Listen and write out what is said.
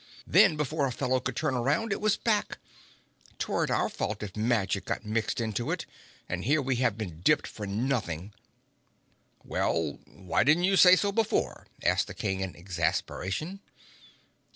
"Then, before a fellow could turn around, it was back. 'Tweren't our fault if magic got mixed into it, and here we have been dipped for nothing!" "Well, why didn't you say so before!" asked the King in exasperation.